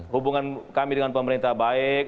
hubungan kami dengan pemerintah baik